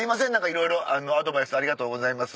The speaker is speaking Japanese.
いろいろアドバイスありがとうございます。